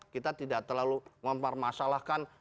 kita tidak terlalu mempermasalahkan